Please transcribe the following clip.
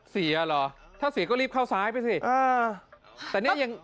เสียเหรอถ้าเสียก็รีบเข้าซ้ายไปสิเออแต่นี่ยัง